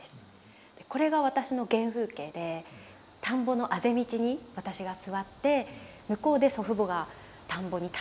これが私の原風景で田んぼのあぜ道に私が座って向こうで祖父母が田んぼに立ってる。